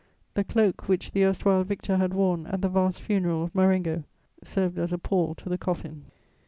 The cloak which the erstwhile victor had worn at the vast funeral of Marengo served as a pall to the coffin.